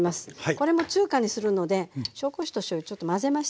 これも中華にするので紹興酒としょうゆちょっと混ぜましてね